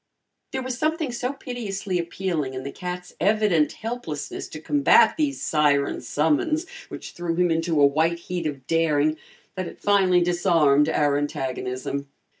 There was something so piteously appealing in the cat's evident helplessness to combat these siren summons, which threw him into a white heat of daring, that it finally disarmed our antagonism.